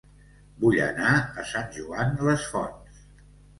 Vull anar a Sant Joan les Fonts